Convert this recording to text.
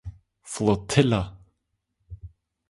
Flotilla.